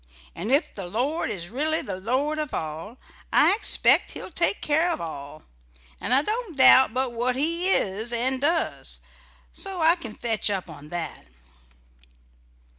And ef the Lord is really the Lord of all, I expect He'll take care of all; 'nd I don't doubt but what He is and does. So I can fetch up on that."